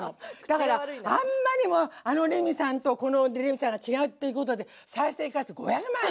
だからあんまりにもあのレミさんとこのレミさんが違うっていうことで再生回数５００万よ。